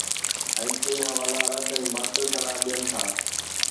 ۽ ڪي حوالا رد ۽ باطل قرار ڏين ٿا